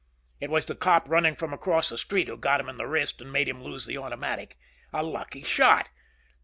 It was the cop running from across the street who got him in the wrist and made him lose the automatic. A lucky shot.